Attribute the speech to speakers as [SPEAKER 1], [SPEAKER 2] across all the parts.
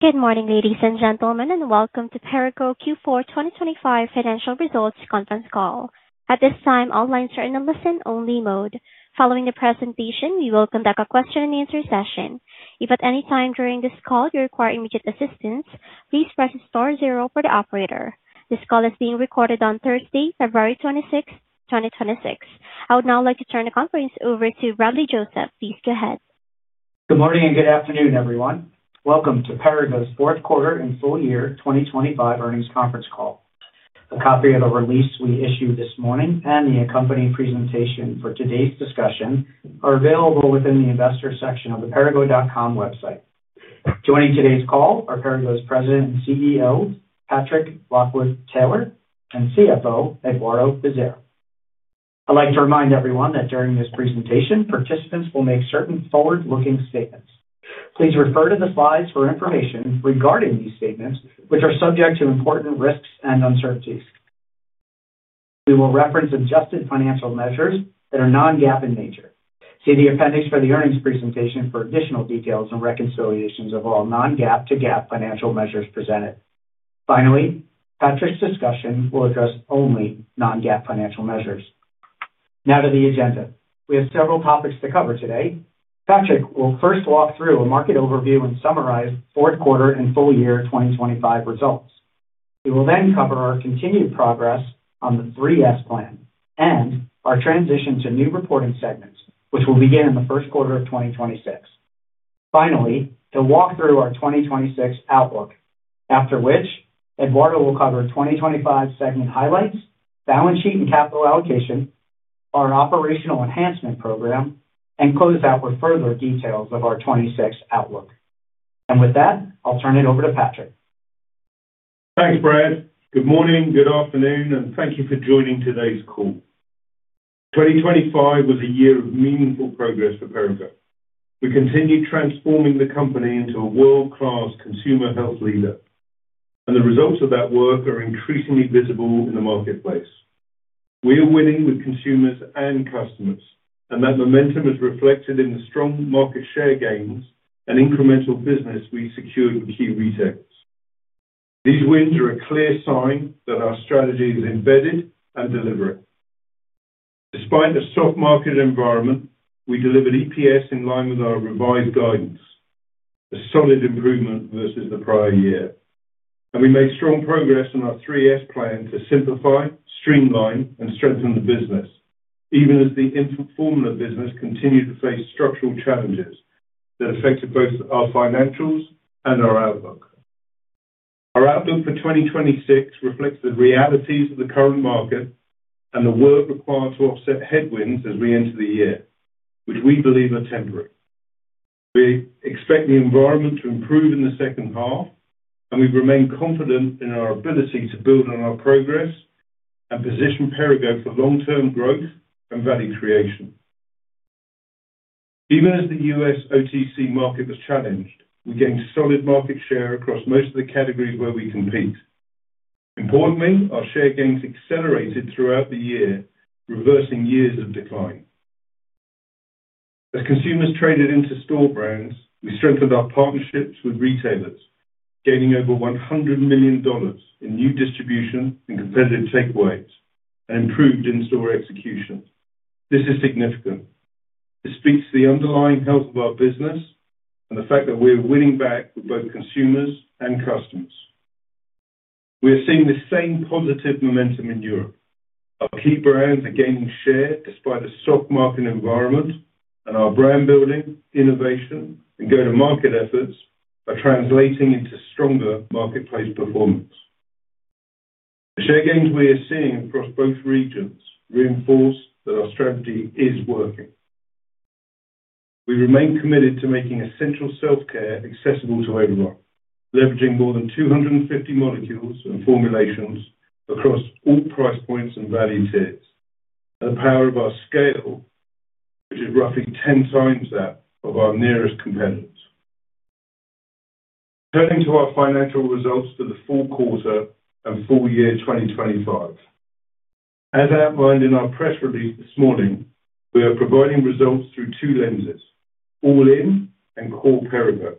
[SPEAKER 1] Good morning, ladies and gentlemen, welcome to Perrigo Q4 2025 financial results conference call. At this time, all lines are in a listen-only mode. Following the presentation, we will conduct a question-and-answer session. If at any time during this call you require immediate assistance, please press star zero for the operator. This call is being recorded on Thursday, February 26th, 2026. I would now like to turn the conference over to Bradley Joseph. Please go ahead.
[SPEAKER 2] Good morning and good afternoon, everyone. Welcome to Perrigo's fourth quarter and full year 2025 earnings conference call. A copy of the release we issued this morning and the accompanying presentation for today's discussion are available within the investor section of the perrigo.com website. Joining today's call are Perrigo's President and CEO, Patrick Lockwood-Taylor, and CFO, Eduardo Bezerra. I'd like to remind everyone that during this presentation, participants will make certain forward-looking statements. Please refer to the slides for information regarding these statements, which are subject to important risks and uncertainties. We will reference adjusted financial measures that are non-GAAP in nature. See the appendix for the earnings presentation for additional details and reconciliations of all non-GAAP to GAAP financial measures presented. Finally, Patrick's discussion will address only non-GAAP financial measures. Now to the agenda. We have several topics to cover today. Patrick will first walk through a market overview and summarize fourth quarter and full year 2025 results. He will then cover our continued progress on the Three-S plan and our transition to new reporting segments, which will begin in the first quarter of 2026. Finally, he'll walk through our 2026 outlook, after which Eduardo will cover 2025 segment highlights, balance sheet and capital allocation, our operational enhancement program, and close out with further details of our 2026 outlook. With that, I'll turn it over to Patrick.
[SPEAKER 3] Thanks, Brad. Good morning, good afternoon, and thank you for joining today's call. 2025 was a year of meaningful progress for Perrigo. We continued transforming the company into a world-class consumer health leader. The results of that work are increasingly visible in the marketplace. We are winning with consumers and customers. That momentum is reflected in the strong market share gains and incremental business we secured with key retailers. These wins are a clear sign that our strategy is embedded and delivering. Despite the soft market environment, we delivered EPS in line with our revised guidance, a solid improvement versus the prior year. We made strong progress on our Three-S plan to simplify, streamline, and strengthen the business, even as the infant formula business continued to face structural challenges that affected both our financials and our outlook. Our outlook for 2026 reflects the realities of the current market and the work required to offset headwinds as we enter the year, which we believe are temporary. We expect the environment to improve in the second half. We remain confident in our ability to build on our progress and position Perrigo for long-term growth and value creation. Even as the U.S. OTC market was challenged, we gained solid market share across most of the categories where we compete. Importantly, our share gains accelerated throughout the year, reversing years of decline. As consumers traded into store brands, we strengthened our partnerships with retailers, gaining over $100 million in new distribution and competitive takeaways and improved in-store execution. This is significant. This speaks to the underlying health of our business and the fact that we are winning back with both consumers and customers. We are seeing the same positive momentum in Europe. Our key brands are gaining share despite a soft market environment, our brand building, innovation, and go-to-market efforts are translating into stronger marketplace performance. The share gains we are seeing across both regions reinforce that our strategy is working. We remain committed to making essential self-care accessible to everyone, leveraging more than 250 molecules and formulations across all price points and value tiers. The power of our scale, which is roughly 10 times that of our nearest competitors. Turning to our financial results for the full quarter and full year 2025. As outlined in our press release this morning, we are providing results through two lenses, all-in and CORE Perrigo.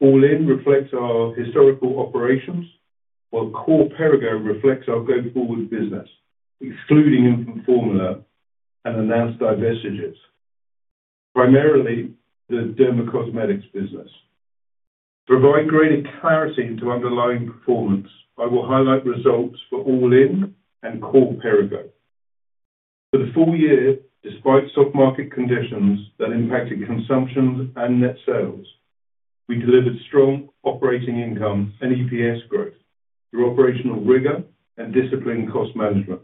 [SPEAKER 3] All-in reflects our historical operations, while CORE Perrigo reflects our go-forward business, excluding infant formula and announced divestitures, primarily the dermacosmetics business. To provide greater clarity into underlying performance, I will highlight results for all-in and CORE Perrigo. For the full year, despite soft market conditions that impacted consumption and net sales, we delivered strong operating income and EPS growth through operational rigor and disciplined cost management.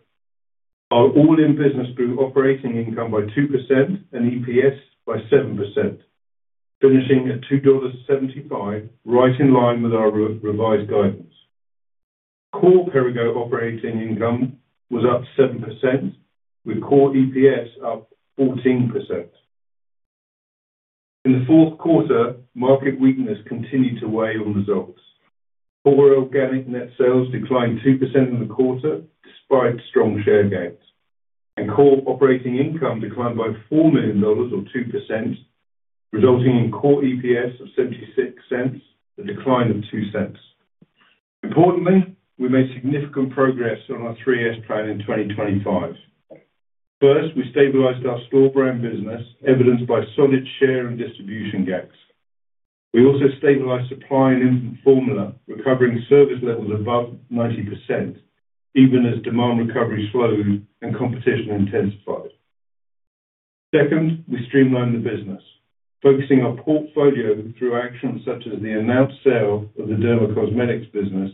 [SPEAKER 3] Our all-in business grew operating income by 2% and EPS by 7%, finishing at $2.75, right in line with our revised guidance. CORE Perrigo operating income was up 7%, with CORE EPS up 14%. In the fourth quarter, market weakness continued to weigh on results. CORE organic net sales declined 2% in the quarter despite strong share gains, CORE operating income declined by $4 million or 2%, resulting in CORE EPS of $0.76, a decline of $0.02. Importantly, we made significant progress on our Three-S plan in 2025. First, we stabilized our store brand business, evidenced by solid share and distribution gains. We also stabilized supply and infant formula, recovering service levels above 90%, even as demand recovery slowed and competition intensified. Second, we streamlined the business, focusing our portfolio through actions such as the announced sale of the dermacosmetics business,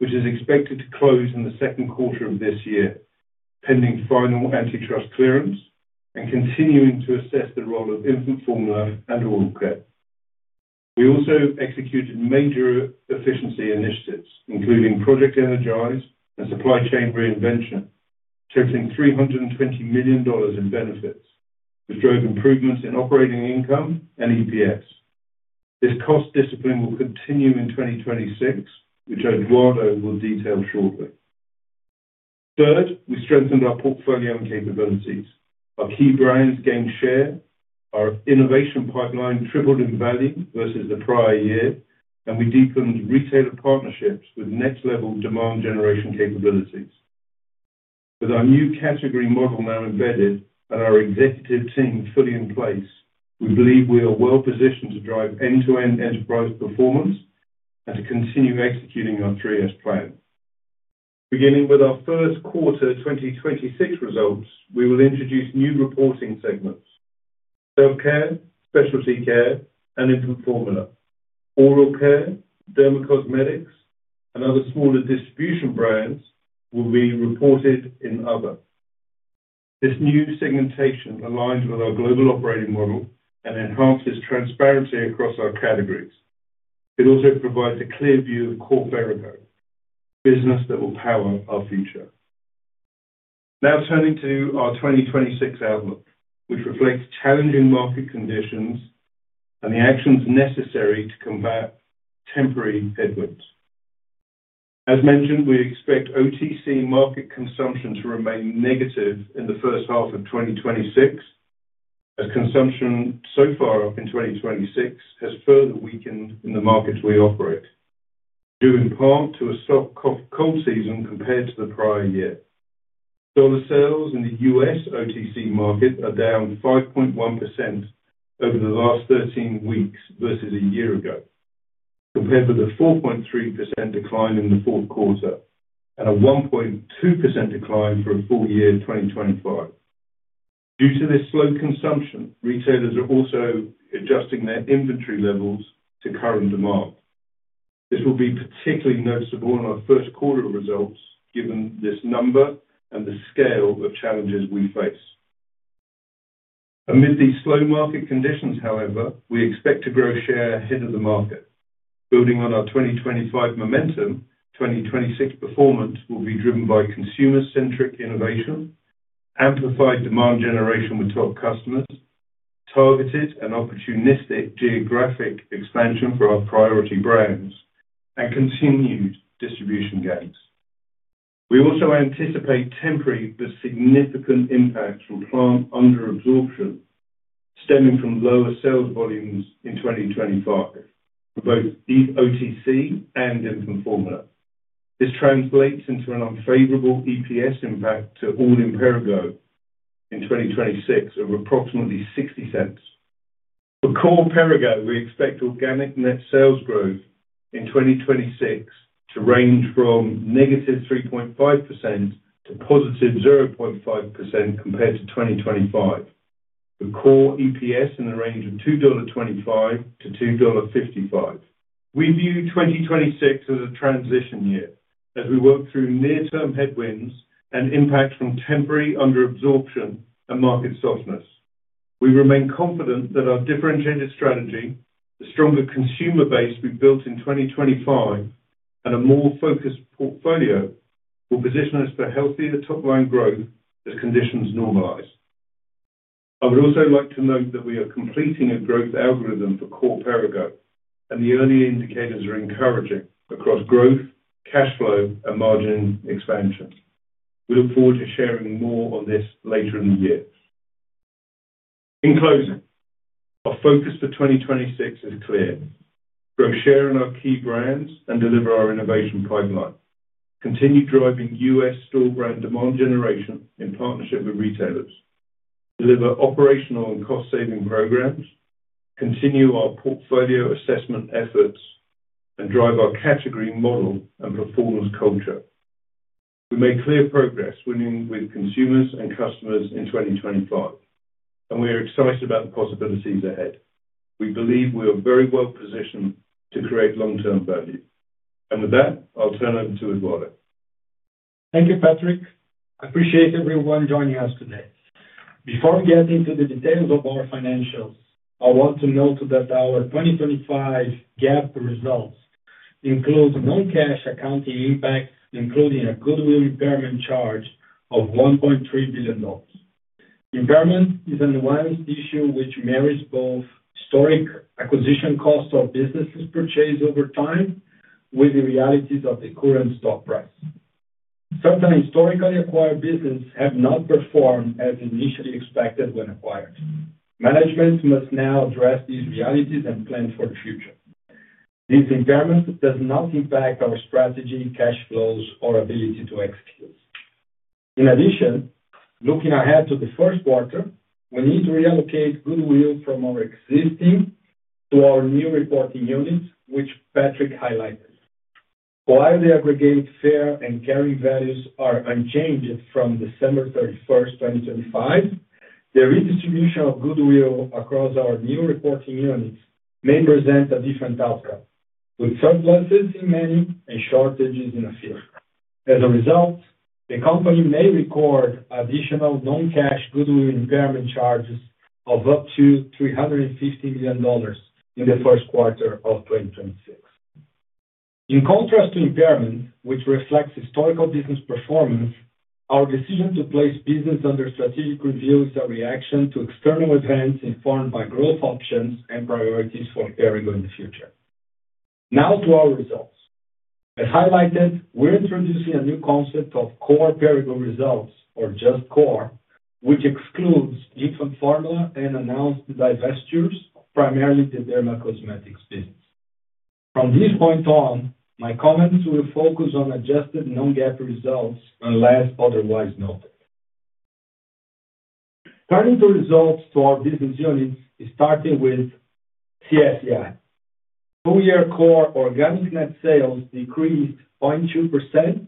[SPEAKER 3] which is expected to close in the second quarter of this year, pending final antitrust clearance and continuing to assess the role of infant formula and oral care. We also executed major efficiency initiatives, including Project Energize and Supply Chain Reinvention, totaling $320 million in benefits, which drove improvements in operating income and EPS. This cost discipline will continue in 2026, which Eduardo will detail shortly. Third, we strengthened our portfolio and capabilities. Our key brands gained share, our innovation pipeline tripled in value versus the prior year. We deepened retailer partnerships with next-level demand generation capabilities. With our new category model now embedded and our executive team fully in place, we believe we are well positioned to drive end-to-end enterprise performance and to continue executing our Three-S plan. Beginning with our first quarter 2026 results, we will introduce new reporting segments: Self Care, Specialty Care, and infant formula. oral care, dermacosmetics, and other smaller distribution brands will be reported in other. This new segmentation aligns with our global operating model and enhances transparency across our categories. It also provides a clear view of CORE Perrigo, business that will power our future. Turning to our 2026 outlook, which reflects challenging market conditions and the actions necessary to combat temporary headwinds. As mentioned, we expect OTC market consumption to remain negative in the first half of 2026, as consumption so far up in 2026 has further weakened in the markets we operate, due in part to a slow cold season compared to the prior year. Dollar sales in the U.S. OTC market are down 5.1% over the last 13 weeks versus a year ago, compared with a 4.3% decline in the fourth quarter and a 1.2% decline for a full year 2025. Due to this slow consumption, retailers are also adjusting their inventory levels to current demand. This will be particularly noticeable in our first quarter results, given this number and the scale of challenges we face. Amidst these slow market conditions, however, we expect to grow share ahead of the market. Building on our 2025 momentum, 2026 performance will be driven by consumer-centric innovation, amplified demand generation with top customers, targeted and opportunistic geographic expansion for our priority brands, and continued distribution gains. We also anticipate temporary but significant impacts from plant under absorption stemming from lower sales volumes in 2025 for both OTC and infant formula. This translates into an unfavorable EPS impact to all in Perrigo in 2026 of approximately $0.60. For CORE Perrigo, we expect organic net sales growth in 2026 to range from -3.5% to +0.5% compared to 2025, with core EPS in the range of $2.25-$2.55. We view 2026 as a transition year as we work through near-term headwinds and impacts from temporary under absorption and market softness. We remain confident that our differentiated strategy, the stronger consumer base we built in 2025, and a more focused portfolio will position us for healthier top-line growth as conditions normalize. I would also like to note that we are completing a growth algorithm for CORE Perrigo, the early indicators are encouraging across growth, cash flow, and margin expansion. We look forward to sharing more on this later in the year. In closing, our focus for 2026 is clear: grow share in our key brands and deliver our innovation pipeline, continue driving U.S. store brand demand generation in partnership with retailers, deliver operational and cost-saving programs, continue our portfolio assessment efforts, and drive our category model and performance culture. We made clear progress winning with consumers and customers in 2025, we are excited about the possibilities ahead. We believe we are very well positioned to create long-term value. With that, I'll turn it over to Eduardo.
[SPEAKER 4] Thank you, Patrick. I appreciate everyone joining us today. Before we get into the details of our financials, I want to note that our 2025 GAAP results include non-cash accounting impacts, including a goodwill impairment charge of $1.3 billion. Impairment is an ongoing issue which marries both historic acquisition costs of businesses purchased over time with the realities of the current stock price. Sometimes historically acquired business have not performed as initially expected when acquired. Management must now address these realities and plan for the future. This impairment does not impact our strategy, cash flows, or ability to execute. Looking ahead to the first quarter, we need to reallocate goodwill from our existing to our new reporting units, which Patrick highlighted... While the aggregate fair and carrying values are unchanged from December 31st, 2025, the redistribution of goodwill across our new reporting units may present a different outcome, with surpluses in many and shortages in a few. As a result, the company may record additional non-cash goodwill impairment charges of up to $350 million in the first quarter of 2026. In contrast to impairment, which reflects historical business performance, our decision to place business under strategic review is a reaction to external events informed by growth options and priorities for Perrigo in the future. To our results. As highlighted, we're introducing a new concept of CORE Perrigo results, or just core, which excludes infant formula and announced divestitures, primarily the dermacosmetics business. From this point on, my comments will focus on adjusted non-GAAP results, unless otherwise noted. Turning to results to our business units, starting with CSCI. Full year core organic net sales decreased 0.2%,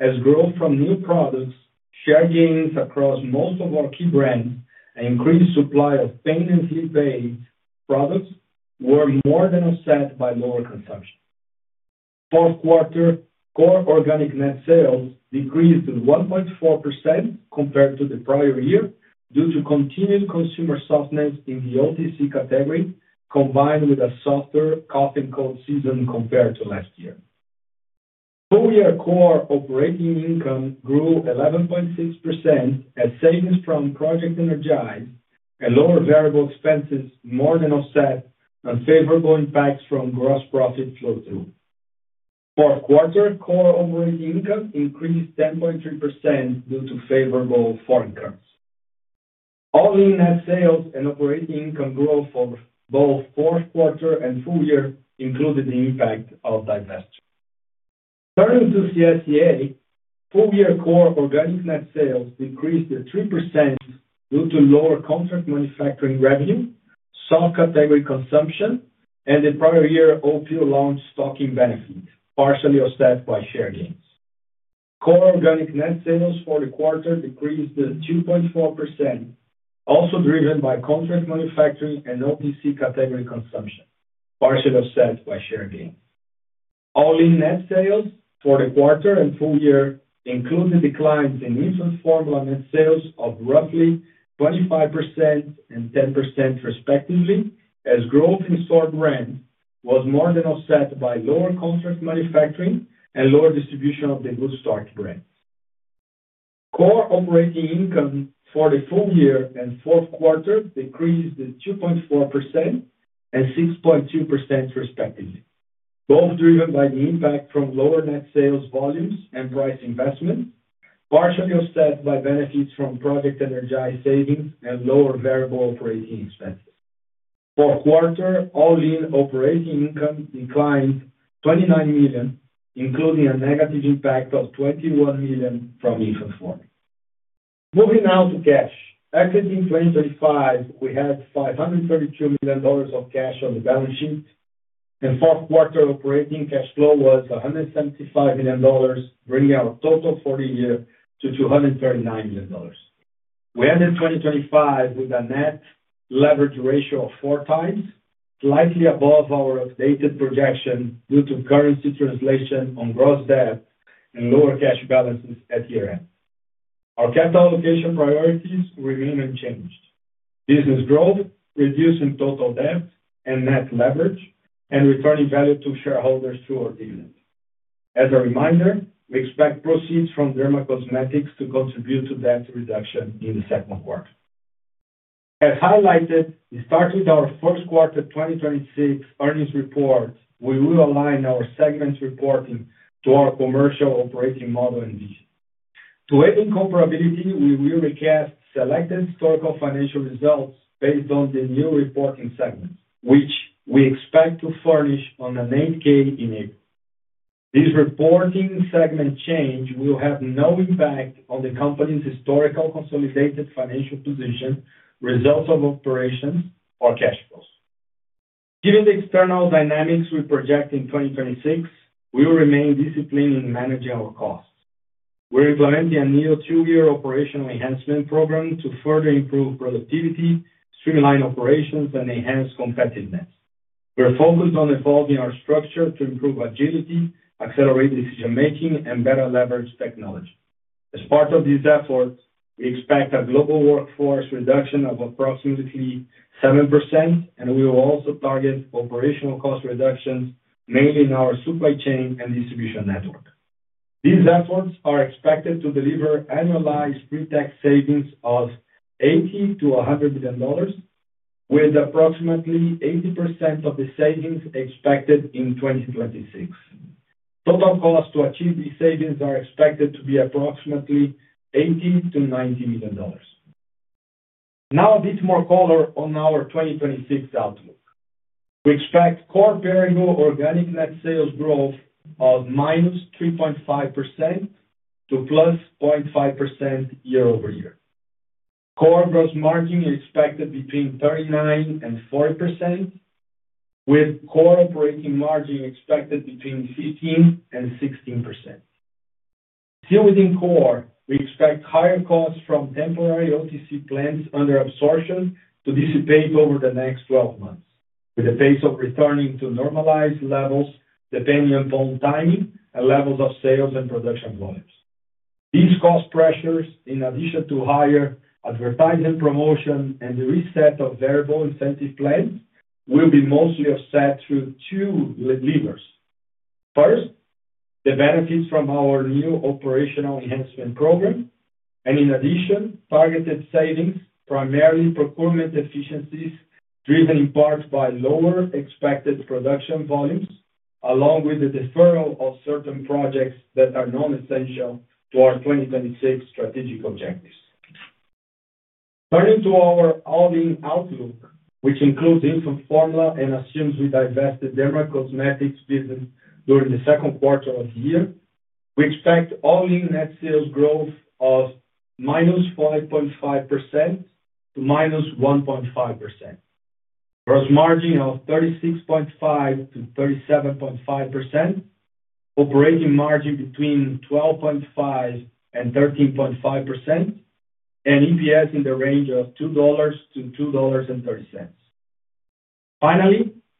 [SPEAKER 4] as growth from new products, share gains across most of our key brands, and increased supply of pain and sleep aid products were more than offset by lower consumption. Fourth quarter core organic net sales decreased to 1.4% compared to the prior year, due to continued consumer softness in the OTC category, combined with a softer cough and cold season compared to last year. Full year core operating income grew 11.6%, as savings from Project Energize and lower variable expenses more than offset unfavorable impacts from gross profit flow-through. Fourth quarter core operating income increased 10.3% due to favorable foreign currency. All the net sales and operating income growth for both fourth quarter and full year included the impact of divestment. Turning to CSCA, full year core organic net sales increased to 3% due to lower contract manufacturing revenue, soft category consumption, and the prior year Opill launch stocking benefit, partially offset by share gains. Core organic net sales for the quarter decreased to 2.4%, also driven by contract manufacturing and OTC category consumption, partially offset by share gains. All-in net sales for the quarter and full year included declines in infant formula net sales of roughly 25% and 10% respectively, as growth in store brand was more than offset by lower contract manufacturing and lower distribution of the Good Start brand. CORE operating income for the full year and fourth quarter decreased to 2.4% and 6.2% respectively, both driven by the impact from lower net sales volumes and price investment, partially offset by benefits from Project Energize savings and lower variable operating expenses. Fourth quarter, all-in operating income declined $29 million, including a negative impact of $21 million from infant formula. Moving now to cash. Exiting 2025, we had $532 million of cash on the balance sheet, and fourth quarter operating cash flow was $175 million, bringing our total for the year to $239 million. We ended 2025 with a net leverage ratio of 4 times, slightly above our updated projection, due to currency translation on gross debt and lower cash balances at year-end. Our capital allocation priorities remain unchanged. Business growth, reducing total debt and net leverage, and returning value to shareholders through our dividends. As a reminder, we expect proceeds from dermacosmetics to contribute to debt reduction in the second quarter. As highlighted, we start with our first quarter 2026 earnings report, we will align our segments reporting to our commercial operating model and vision. To aid in comparability, we will recast selected historical financial results based on the new reporting segments, which we expect to furnish on an 8-K in April. This reporting segment change will have no impact on the company's historical consolidated financial position, results of operations or cash flows. Given the external dynamics we project in 2026, we will remain disciplined in managing our costs. We're implementing a new two-year operational enhancement program to further improve productivity, streamline operations, and enhance competitiveness. We are focused on evolving our structure to improve agility, accelerate decision-making, and better leverage technology. As part of these efforts, we expect a global workforce reduction of approximately 7%, we will also target operational cost reductions, mainly in our supply chain and distribution network. These efforts are expected to deliver annualized pre-tax savings of $80 million-$100 million, with approximately 80% of the savings expected in 2026. Total costs to achieve these savings are expected to be approximately $80 million-$90 million. A bit more color on our 2026 outlook. We expect CORE Perrigo organic net sales growth of -3.5% to +0.5% year-over-year. Core gross margin is expected between 39% and 40%, with Core operating margin expected between 15% and 16%. Still within CORE Perrigo, we expect higher costs from temporary OTC plans under absorption to dissipate over the next 12 months, with the pace of returning to normalized levels depending upon timing and levels of sales and production volumes. These cost pressures, in addition to higher advertising promotion and the reset of variable incentive plans, will be mostly offset through two levers. First, the benefits from our new operational enhancement program, and in addition, targeted savings, primarily procurement efficiencies, driven in part by lower expected production volumes, along with the deferral of certain projects that are non-essential to our 2026 strategic objectives. Turning to our all-in outlook, which includes infant formula and assumes we divested dermacosmetics business during the second quarter of the year, we expect all-in net sales growth of -5.5% to -1.5%. Gross margin of 36.5%-37.5%, operating margin between 12.5% and 13.5%, and EPS in the range of $2-$2.30.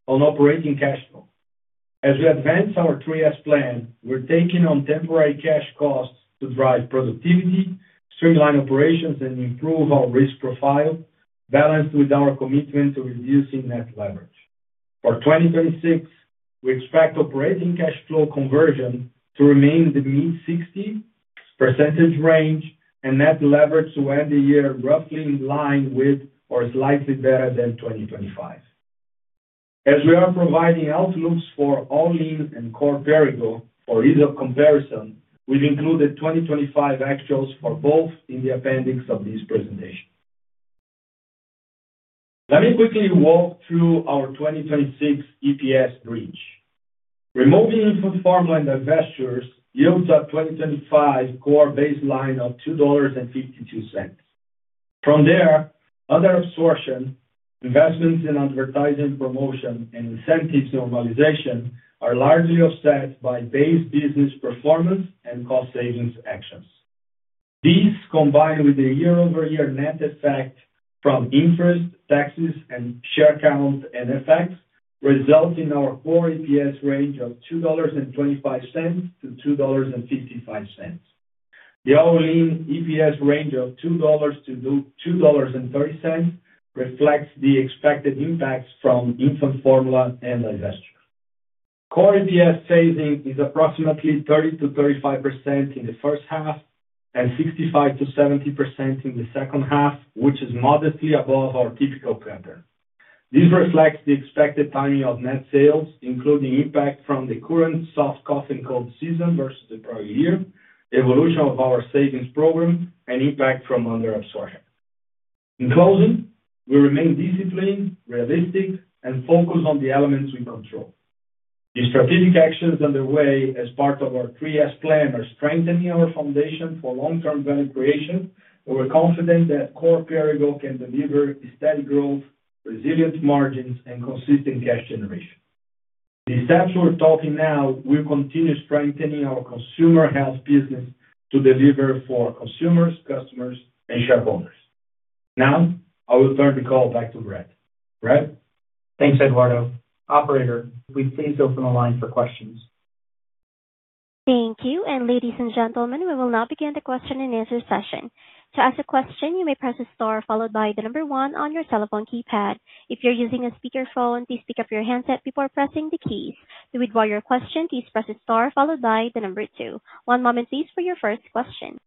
[SPEAKER 4] On operating cash flow. As we advance our Three-S plan, we're taking on temporary cash costs to drive productivity, streamline operations, and improve our risk profile, balanced with our commitment to reducing net leverage. For 2026, we expect operating cash flow conversion to remain in the mid-60% range and net leverage to end the year roughly in line with or slightly better than 2025. As we are providing outlooks for all-in and CORE Perrigo for ease of comparison, we've included 2025 actuals for both in the appendix of this presentation. Let me quickly walk through our 2026 EPS bridge. Removing infant formula and divestitures yields a 2025 CORE baseline of $2.52. Other absorption, investments in advertising promotion, and incentives normalization are largely offset by base business performance and cost savings actions. These, combined with a year-over-year net effect from interest, taxes, and share count and effects, result in our CORE EPS range of $2.25-$2.55. The all-in EPS range of $2.00-$2.30 reflects the expected impacts from infant formula and divestiture. CORE EPS phasing is approximately 30%-35% in the first half and 65%-70% in the second half, which is modestly above our typical pattern. This reflects the expected timing of net sales, including impact from the current soft cough and cold season versus the prior year, the evolution of our savings program, and impact from under absorption. In closing, we remain disciplined, realistic, and focused on the elements we control. The strategic actions underway as part of our Three-S plan are strengthening our foundation for long-term value creation. We're confident that CORE Perrigo can deliver steady growth, resilient margins, and consistent cash generation. The steps we're taking now will continue strengthening our consumer health business to deliver for consumers, customers, and shareholders. I will turn the call back to Brad. Brad?
[SPEAKER 2] Thanks, Eduardo. Operator, will you please open the line for questions?
[SPEAKER 1] Thank you. Ladies and gentlemen, we will now begin the question-and-answer session. To ask a question, you may press star followed by one on your telephone keypad. If you're using a speakerphone, please pick up your handset before pressing the keys. To withdraw your question, please press star followed by two. One moment, please, for your first question.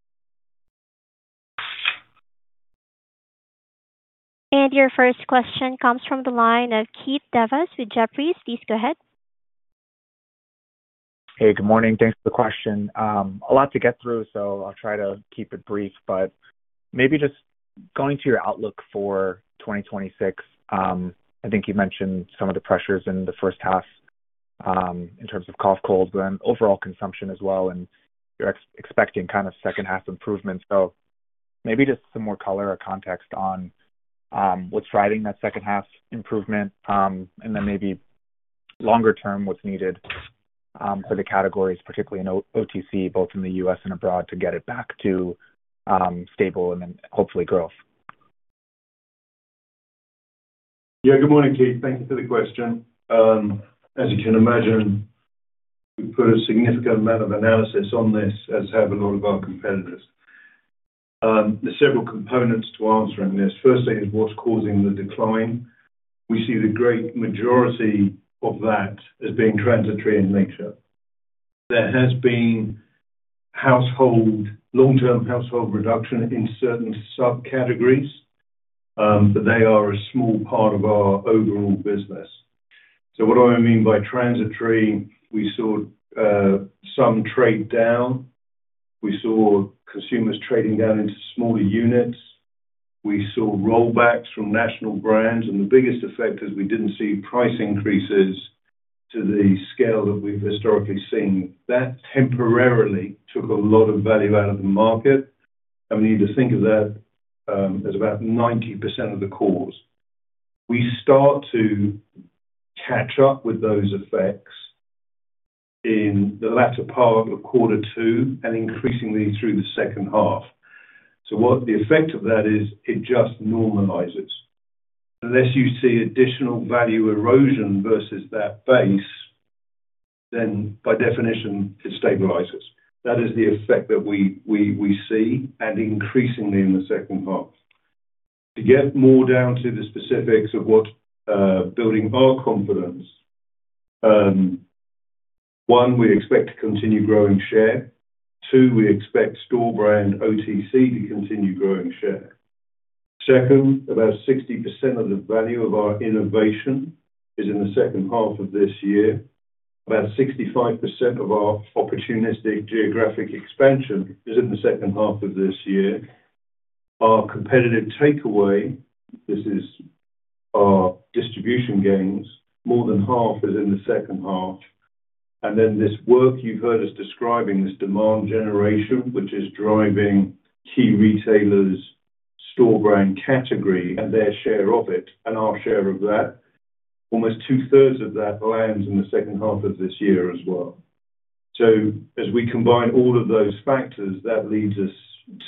[SPEAKER 1] Your first question comes from the line of Keith Devas with Jefferies. Please go ahead.
[SPEAKER 5] Hey, good morning. Thanks for the question. A lot to get through, so I'll try to keep it brief, but maybe just going to your outlook for 2026, I think you mentioned some of the pressures in the first half, in terms of cough, cold, and overall consumption as well, and you're expecting kind of second half improvements. Maybe just some more color or context on, what's driving that second half improvement, and then maybe longer term, what's needed, for the categories, particularly in OTC, both in the U.S. and abroad, to get it back to, stable and then hopefully growth?
[SPEAKER 3] Yeah, good morning, Keith. Thank you for the question. As you can imagine, we've put a significant amount of analysis on this, as have a lot of our competitors there's several components to answering this. Firstly, is what's causing the decline? We see the great majority of that as being transitory in nature. There has been household, long-term household reduction in certain subcategories, but they are a small part of our overall business. What do I mean by transitory? We saw some trade down. We saw consumers trading down into smaller units. We saw rollbacks from national brands, and the biggest effect is we didn't see price increases to the scale that we've historically seen. That temporarily took a lot of value out of the market, and we need to think of that as about 90% of the cause. We start to catch up with those effects in the latter part of quarter two and increasingly through the second half. What the effect of that is, it just normalizes. Unless you see additional value erosion versus that base, by definition, it stabilizes. That is the effect that we see, increasingly in the second half. To get more down to the specifics of what building our confidence, one, we expect to continue growing share. Two, we expect store brand OTC to continue growing share. Second, about 60% of the value of our innovation is in the second half of this year. About 65% of our opportunistic geographic expansion is in the second half of this year. Our competitive takeaway, this is our distribution gains, more than half is in the second half. This work you've heard us describing, this demand generation, which is driving key retailers' store brand category and their share of it and our share of that, almost two-thirds of that lands in the second half of this year as well. As we combine all of those factors, that leads us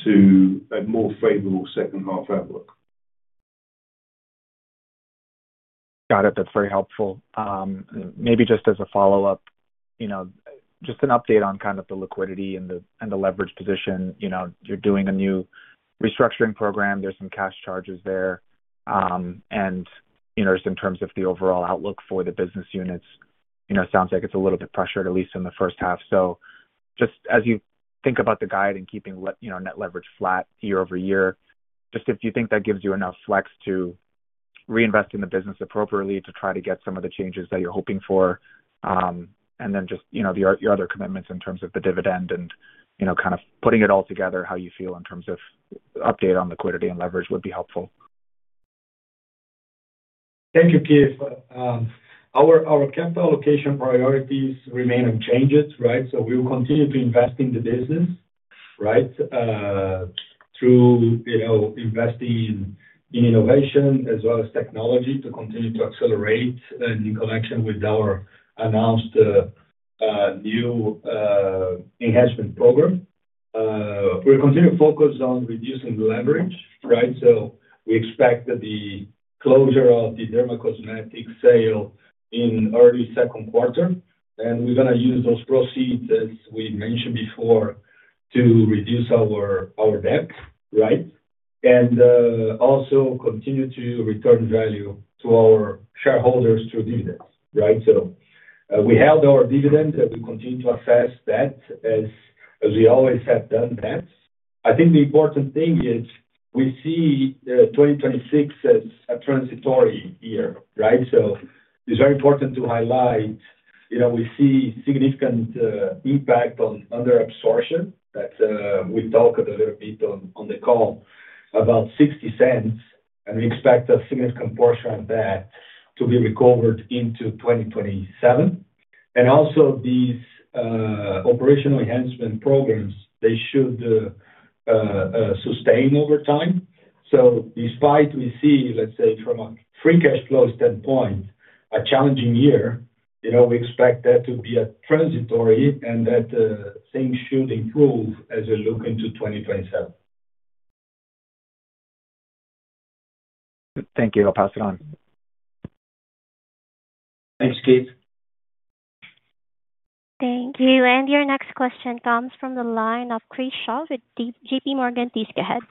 [SPEAKER 3] to a more favorable second half outlook.
[SPEAKER 5] Got it. That's very helpful. Maybe just as a follow-up, you know, just an update on kind of the liquidity and the leverage position. You know, you're doing a new restructuring program, there's some cash charges there. You know, just in terms of the overall outlook for the business units, you know, sounds like it's a little bit pressured, at least in the first half. Just as you think about the guide and keeping net leverage flat year-over-year, just if you think that gives you enough flex to reinvest in the business appropriately to try to get some of the changes that you're hoping for? Just, you know, your other commitments in terms of the dividend and, you know, kind of putting it all together, how you feel in terms of update on liquidity and leverage would be helpful.
[SPEAKER 4] Thank you, Keith. Our capital allocation priorities remain unchanged, right? We will continue to invest in the business, right, through, you know, investing in innovation as well as technology to continue to accelerate in connection with our announced new enhancement program. We're continuing to focus on reducing the leverage, right? We expect that the closure of the dermacosmetics sale in early second quarter, and we're going to use those proceeds, as we mentioned before, to reduce our debt, right? Also continue to return value to our shareholders through dividends, right? We held our dividend, and we continue to assess that as we always have done that. I think the important thing is we see 2026 as a transitory year, right? It's very important to highlight, you know, we see significant impact on under absorption, that we talked a little bit on the call, about $0.60, and we expect a significant portion of that to be recovered into 2027. Also these operational enhancement programs, they should sustain over time. Despite we see, let's say, from a free cash flow standpoint, a challenging year, you know, we expect that to be a transitory and that things should improve as we look into 2027.
[SPEAKER 5] Thank you. I'll pass it on.
[SPEAKER 4] Thanks, Keith.
[SPEAKER 1] Thank you. Your next question comes from the line of Chris Schott with JPMorgan, please go ahead.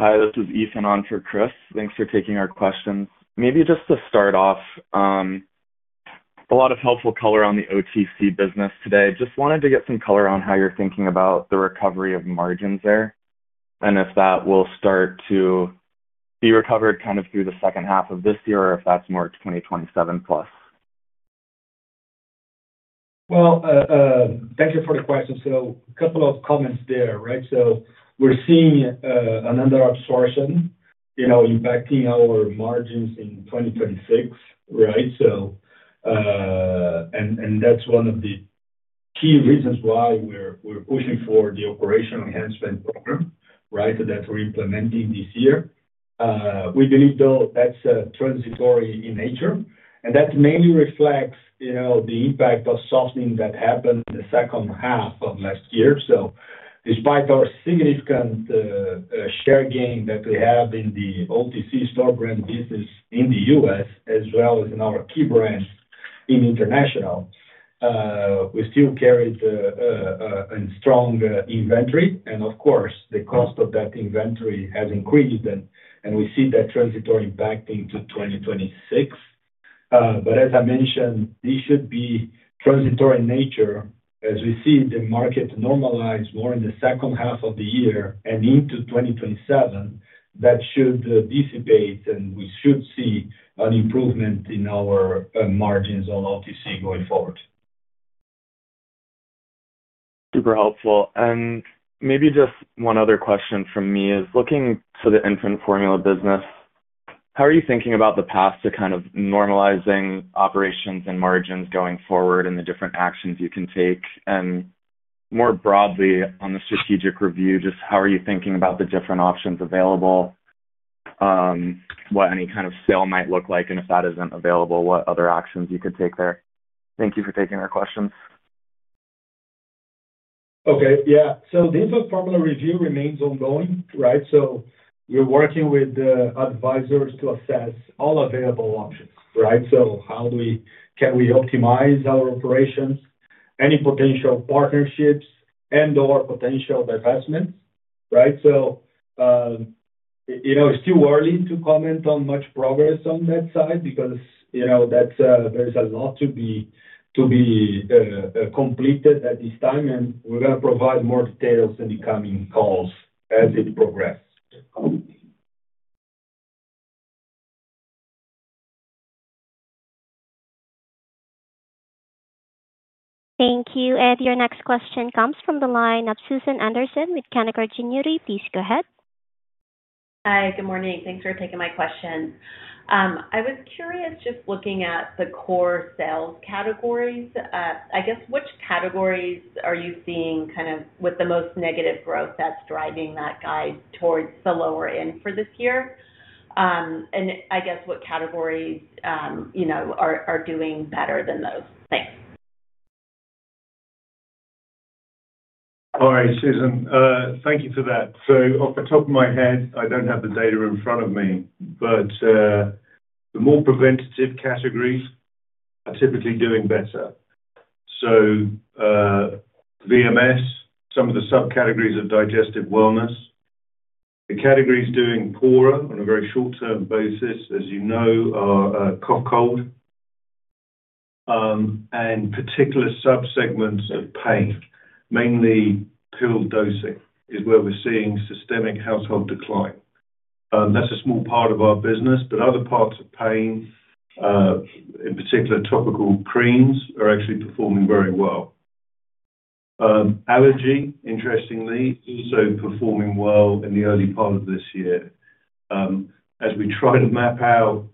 [SPEAKER 6] Hi, this is Ethan on for Chris. Thanks for taking our questions. Maybe just to start off, a lot of helpful color on the OTC business today. Just wanted to get some color on how you're thinking about the recovery of margins there, and if that will start to be recovered kind of through the second half of this year, or if that's more 2027 plus.
[SPEAKER 4] Well, thank you for the question. A couple of comments there, right? We're seeing, another absorption, you know, impacting our margins in 2026, right? That's one of the key reasons why we're pushing for the operational enhancement program, right, that we're implementing this year. We believe, though, that's transitory in nature, and that mainly reflects, you know, the impact of something that happened in the second half of last year. Despite our significant, share gain that we have in the OTC store brand business in the U.S., as well as in our key brands in international, we still carried a strong inventory. Of course, the cost of that inventory has increased, and we see that transitory impact into 2026. As I mentioned, this should be transitory in nature. As we see the market normalize more in the second half of the year and into 2027, that should dissipate, and we should see an improvement in our margins on OTC going forward.
[SPEAKER 6] Super helpful. Maybe just one other question from me is: looking to the infant formula business, how are you thinking about the path to kind of normalizing operations and margins going forward, and the different actions you can take? More broadly, on the strategic review, just how are you thinking about the different options available, what any kind of sale might look like, and if that isn't available, what other options you could take there? Thank you for taking our questions.
[SPEAKER 4] Okay. Yeah. The infant formula review remains ongoing, right? We're working with advisors to assess all available options, right? Can we optimize our operations, any potential partnerships and/or potential divestments, right? You know, it's too early to comment on much progress on that side because, you know, that's there's a lot to be completed at this time, and we're going to provide more details in the coming calls as it progresses.
[SPEAKER 1] Thank you. Your next question comes from the line of Susan Anderson with Canaccord Genuity. Please go ahead.
[SPEAKER 7] Hi, good morning. Thanks for taking my question. I was curious, just looking at the core sales categories, I guess, which categories are you seeing kind of with the most negative growth that's driving that guide towards the lower end for this year? I guess what categories, you know, are doing better than those? Thanks.
[SPEAKER 3] All right, Susan, thank you for that. Off the top of my head, I don't have the data in front of me, but the more preventative categories are typically doing better. VMS, some of the subcategories of digestive wellness. The categories doing poorer on a very short-term basis, as you know, are cough, cold, and particular subsegments of pain. Mainly pill dosing is where we're seeing systemic household decline. That's a small part of our business, but other parts of pain, in particular, topical creams, are actually performing very well. Allergy, interestingly, also performing well in the early part of this year. As we try to map out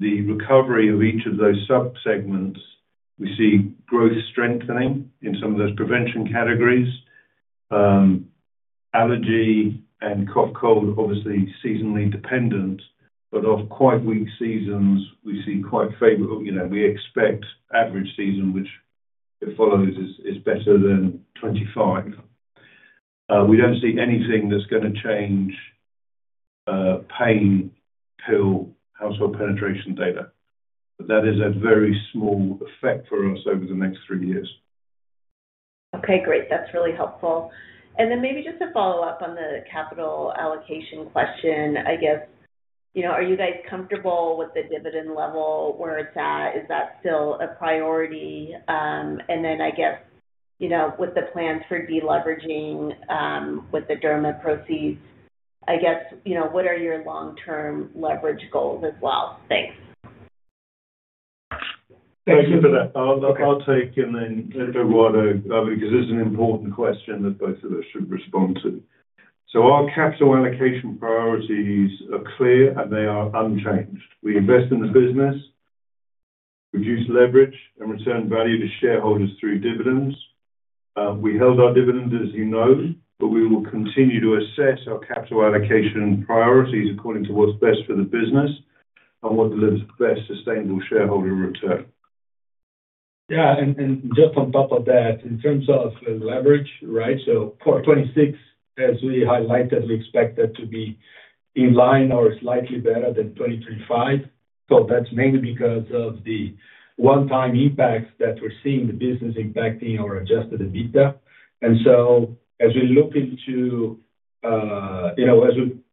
[SPEAKER 3] the recovery of each of those subsegments, we see growth strengthening in some of those prevention categories. Allergy and cough, cold, obviously seasonally dependent, but of quite weak seasons, we see quite favorable. You know, we expect average season, which it follows, is better than 25. We don't see anything that's going to change pain pill household penetration data. That is a very small effect for us over the next three years.
[SPEAKER 7] Okay, great. That's really helpful. Then maybe just to follow up on the capital allocation question, I guess, you know, are you guys comfortable with the dividend level, where it's at? Is that still a priority? Then I guess, you know, with the plans for de-leveraging, with the Derma proceeds, I guess, you know, what are your long-term leverage goals as well? Thanks.
[SPEAKER 3] Thank you for that. I'll take, and then Eduardo, because this is an important question that both of us should respond to. Our capital allocation priorities are clear. They are unchanged. We invest in the business, reduce leverage, and return value to shareholders through dividends. We held our dividends, as you know. We will continue to assess our capital allocation priorities according to what's best for the business and what delivers the best sustainable shareholder return.
[SPEAKER 4] Just on top of that, in terms of the leverage, right? For 2026, as we highlighted, we expect that to be in line or slightly better than 2025. That's mainly because of the one-time impacts that we're seeing the business impacting our adjusted EBITDA. As we look into, you know,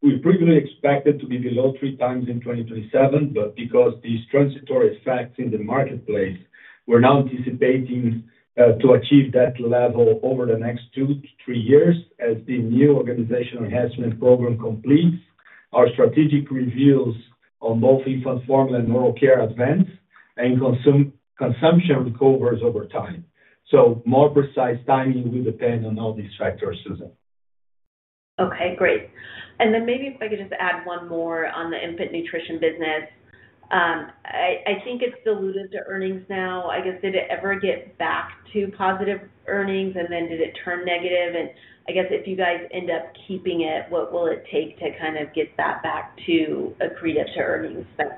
[SPEAKER 4] we previously expected to be below 3 times in 2027, but because of these transitory effects in the marketplace, we're now anticipating to achieve that level over the next two to three years as the new operational enhancement program completes, our strategic reviews on both infant formula and oral care advance, and consumption recovers over time. More precise timing will depend on all these factors, Susan.
[SPEAKER 7] Okay, great. Maybe if I could just add one more on the infant nutrition business. I think it's diluted to earnings now. I guess, did it ever get back to positive earnings, and then did it turn negative? I guess if you guys end up keeping it, what will it take to kind of get that back to accretive to earnings? Thanks.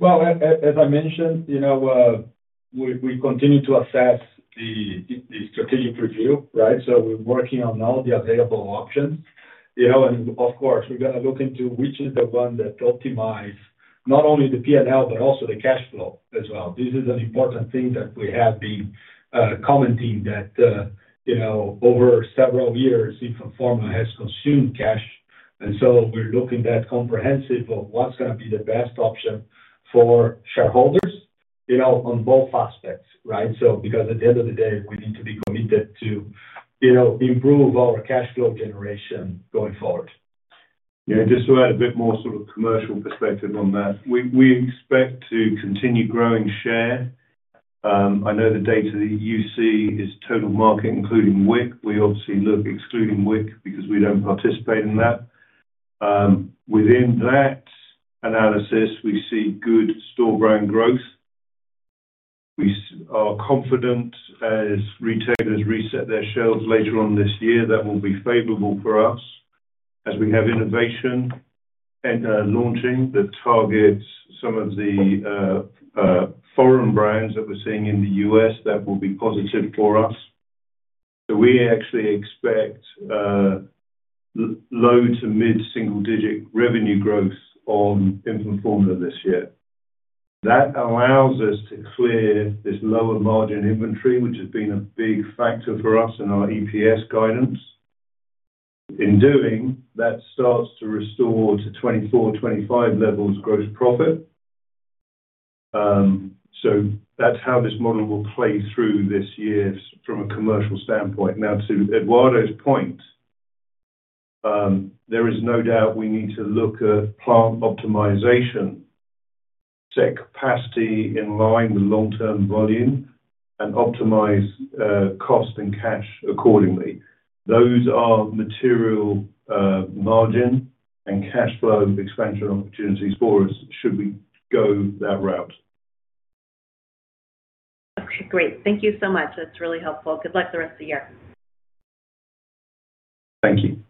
[SPEAKER 4] Well, as I mentioned, you know. We continue to assess the strategic review, right? We're working on all the available options, you know, of course, we're gonna look into which is the one that optimize not only the PNL but also the cash flow as well. This is an important thing that we have been commenting that, you know, over several years, infant formula has consumed cash, we're looking at comprehensive of what's gonna be the best option for shareholders, you know, on both aspects, right? Because at the end of the day, we need to be committed to, you know, improve our cash flow generation going forward.
[SPEAKER 3] Yeah, just to add a bit more sort of commercial perspective on that, we expect to continue growing share. I know the data that you see is total market, including WIC. We obviously look excluding WIC because we don't participate in that. Within that analysis, we see good store brand growth. We are confident as retailers reset their shelves later on this year, that will be favorable for us as we have innovation and launching that targets some of the foreign brands that we're seeing in the U.S. That will be positive for us. We actually expect low to mid single digit revenue growth on infant formula this year. That allows us to clear this lower margin inventory, which has been a big factor for us in our EPS guidance. In doing, that starts to restore to 24-25 levels gross profit. That's how this model will play through this year from a commercial standpoint. To Eduardo's point, there is no doubt we need to look at plant optimization, set capacity in line with long-term volume, and optimize cost and cash accordingly. Those are material margin and cash flow expansion opportunities for us should we go that route.
[SPEAKER 7] Okay, great. Thank you so much. That's really helpful. Good luck the rest of the year.
[SPEAKER 3] Thank you.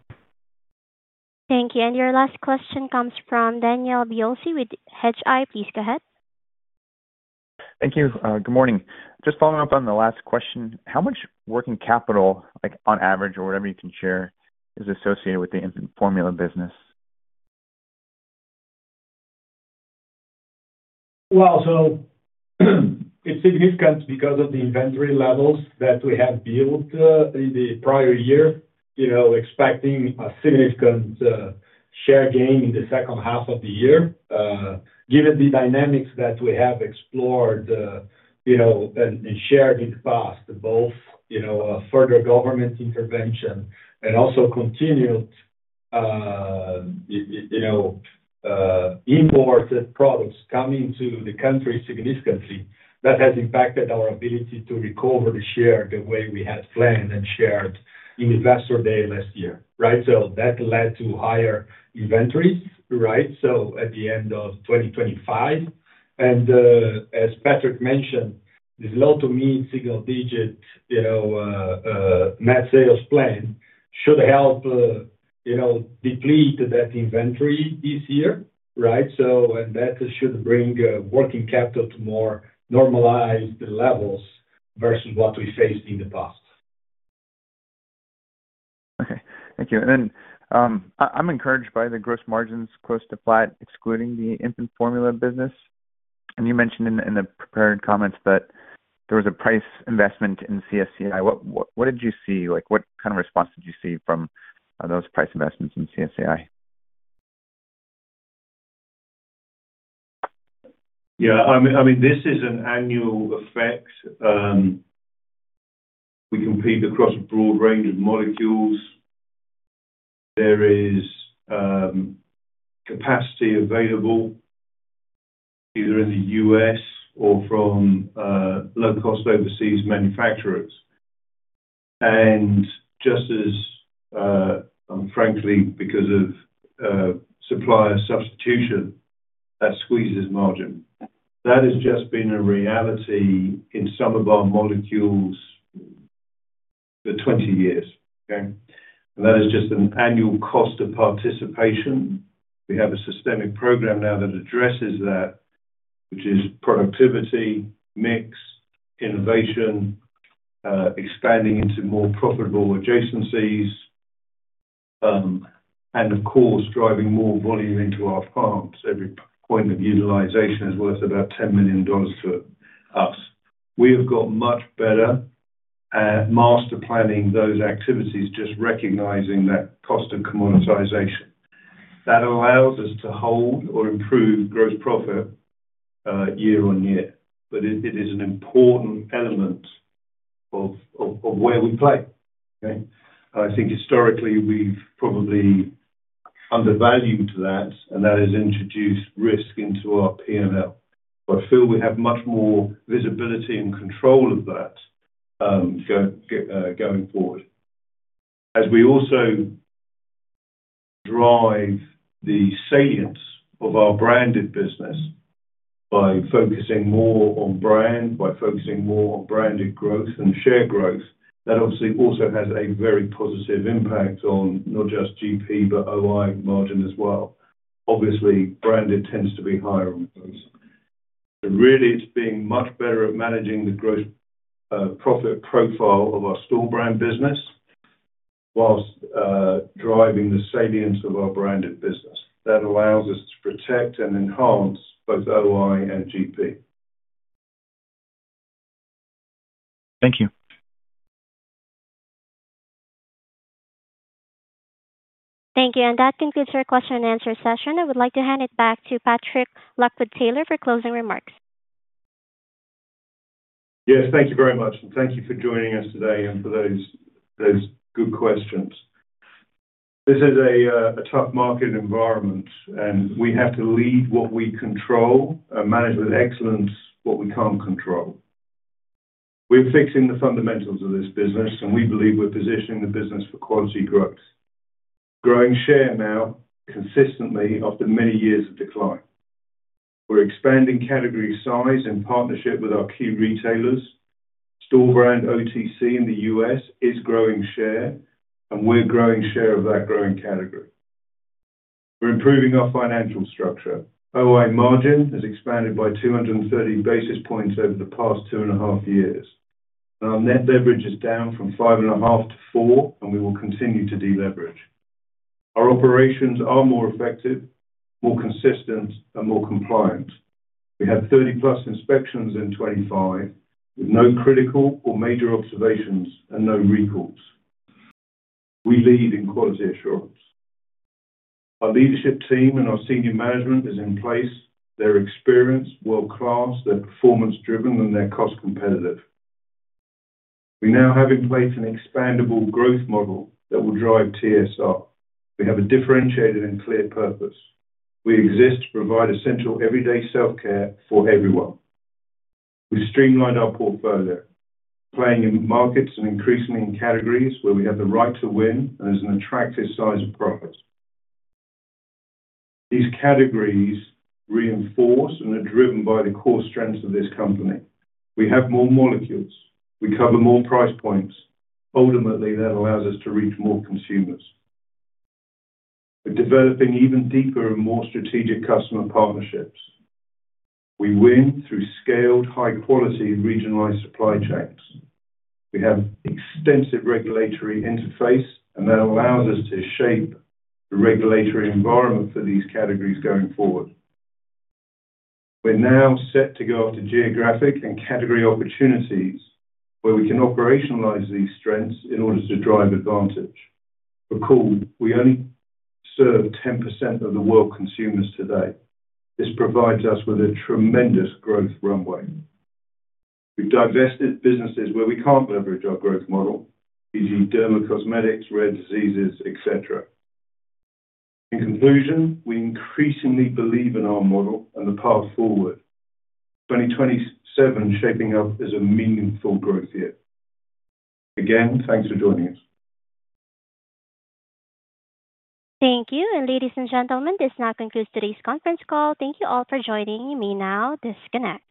[SPEAKER 1] Thank you. Your last question comes from Daniel Biolsi with Hedgeye. Please go ahead.
[SPEAKER 8] Thank you. Good morning. Just following up on the last question, how much working capital, like, on average or whatever you can share, is associated with the infant formula business?
[SPEAKER 4] It's significant because of the inventory levels that we have built in the prior year, you know, expecting a significant share gain in the second half of the year. Given the dynamics that we have explored, you know, and shared in the past, both, you know, further government intervention and also continued, you know, imported products coming to the country significantly, that has impacted our ability to recover the share the way we had planned and shared in Investor Day last year, right? That led to higher inventories, right? At the end of 2025, and, as Patrick mentioned, this low to mid-single digit, you know, net sales plan should help, you know, deplete that inventory this year, right? And that should bring working capital to more normalized levels versus what we faced in the past.
[SPEAKER 8] Okay. Thank you. I'm encouraged by the gross margins close to flat, excluding the infant formula business. You mentioned in the, in the prepared comments that there was a price investment in CSCI. What did you see? Like, what kind of response did you see from those price investments in CSCI?
[SPEAKER 3] Yeah, I mean, this is an annual effect. We compete across a broad range of molecules. There is capacity available either in the U.S. or from low-cost overseas manufacturers. Just as, and frankly, because of supplier substitution, that squeezes margin. That has just been a reality in some of our molecules for 20 years, okay? That is just an annual cost of participation. We have a systemic program now that addresses that, which is productivity, mix, innovation, expanding into more profitable adjacencies, and of course, driving more volume into our farms. Every point of utilization is worth about $10 million to us. We have got much better at master planning those activities, just recognizing that cost and commoditization. That allows us to hold or improve gross profit year on year, but it is an important element of where we play, okay? I think historically, we've probably undervalued that has introduced risk into our PNL. I feel we have much more visibility and control of that going forward. As we also drive the salience of our branded business by focusing more on brand, by focusing more on branded growth and share growth, that obviously also has a very positive impact on not just GP, but OI margin as well. obviously, branded tends to be higher on those. Really, it's being much better at managing the gross profit profile of our store brand business, whilst driving the salience of our branded business. That allows us to protect and enhance both OI and GP.
[SPEAKER 8] Thank you.
[SPEAKER 1] Thank you. That concludes our question and answer session. I would like to hand it back to Patrick Lockwood-Taylor for closing remarks.
[SPEAKER 3] Yes, thank you very much, thank you for joining us today and for those good questions. This is a tough market environment, we have to lead what we control and manage with excellence what we can't control. We're fixing the fundamentals of this business, we believe we're positioning the business for quality growth. Growing share now consistently after many years of decline. We're expanding category size in partnership with our key retailers. Store brand OTC in the U.S. is growing share, we're growing share of that growing category. We're improving our financial structure. OI margin has expanded by 230 basis points over the past two and a half years, our net leverage is down from 5.5 to 4, we will continue to deleverage. Our operations are more effective, more consistent, more compliant. We had 30+ inspections in 25, with no critical or major observations and no recalls. We lead in quality assurance. Our leadership team and our senior management is in place. They're experienced, world-class, they're performance-driven, and they're cost-competitive. We now have in place an expandable growth model that will drive TSR. We have a differentiated and clear purpose. We exist to provide essential everyday self-care for everyone. We streamlined our portfolio, playing in markets and increasingly in categories where we have the right to win and there's an attractive size of profit. These categories reinforce and are driven by the core strengths of this company. We have more molecules. We cover more price points. Ultimately, that allows us to reach more consumers. We're developing even deeper and more strategic customer partnerships. We win through scaled, high-quality, regionalized supply chains. We have extensive regulatory interface, and that allows us to shape the regulatory environment for these categories going forward. We're now set to go after geographic and category opportunities where we can operationalize these strengths in order to drive advantage. Recall, we only serve 10% of the world consumers today. This provides us with a tremendous growth runway. We've divested businesses where we can't leverage our growth model, e.g., dermacosmetics, rare diseases, et cetera. In conclusion, we increasingly believe in our model and the path forward. 2027 shaping up as a meaningful growth year. Again, thanks for joining us.
[SPEAKER 1] Thank you. Ladies and gentlemen, this now concludes today's conference call. Thank you all for joining. You may now disconnect.